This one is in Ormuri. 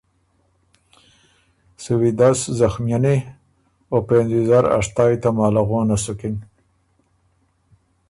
سُو ویدس زخمئنی او پېنځ ویزر اشتای تماله غونه سُکِن۔